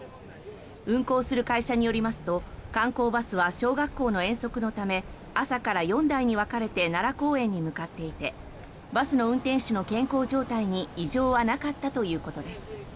運行する会社によりますと観光バスは小学校の遠足のため朝から４台に分かれて奈良公園に向かっていてバスの運転手の健康状態に異常はなかったということです。